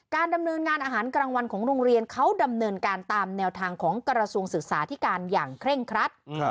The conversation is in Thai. ดำเนินงานอาหารกลางวันของโรงเรียนเขาดำเนินการตามแนวทางของกระทรวงศึกษาที่การอย่างเคร่งครัด